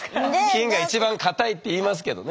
金が一番堅いっていいますけどね。